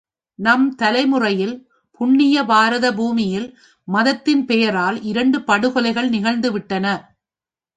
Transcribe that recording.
நம் தலைமுறையில் புண்ணிய பாரத பூமியில் மதத்தின் பெயரால் இரண்டு படுகொலைகள் நிகழ்ந்துவிட்டன.